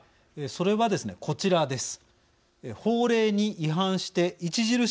それはですねこちらです。